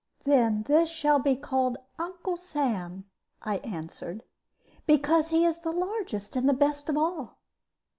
"Then this shall be called 'Uncle Sam,'" I answered, "because he is the largest and the best of all."